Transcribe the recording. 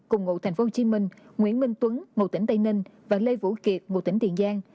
cùng ngụ tp hcm nguyễn minh tuấn một tỉnh tây ninh và lê vũ kiệt một tỉnh tiền giang